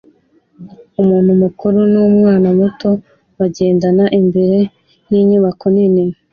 Umuntu mukuru numwana muto bagendana imbere yinyubako nini